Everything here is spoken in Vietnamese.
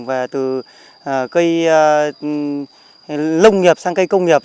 và từ cây lông nghiệp sang cây công nghiệp